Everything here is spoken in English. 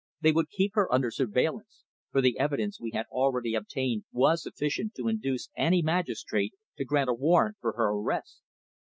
They would keep her under surveillance, for the evidence we had already obtained was sufficient to induce any magistrate to grant a warrant for her arrest.